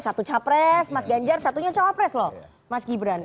satu capres mas ganjar satunya cawapres loh mas gibran